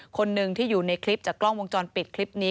คนหนึ่งที่อยู่ในคลิปจากกล้องวงจรปิดคลิปนี้